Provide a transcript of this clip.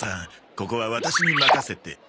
ここはワタシに任せて。